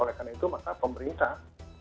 oleh karena itu maka pemerintah